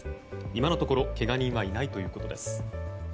今のところけが人はいないということです。